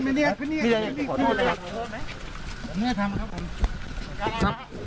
มีอะไรอยากขอโทษนะครับขอโทษไหมขอโทษครับครับครับ